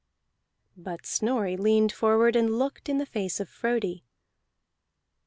But Snorri leaned forward and looked in the face of Frodi.